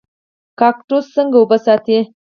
کاکتوس څنګه اوبه ساتي؟